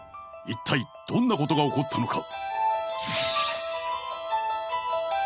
一体どんなことが起こったのか？